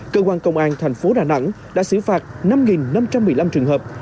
cơ quan công an thành phố đà nẵng đã xử phạt năm năm trăm một mươi năm trường hợp